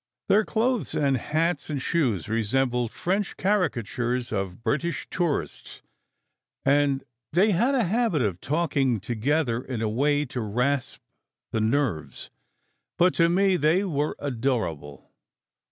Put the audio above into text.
Their clothes and hats and shoes resembled French caricatures of British tourists, and they had a habit of talking together in a way to rasp the nerves. But to me they were adorable.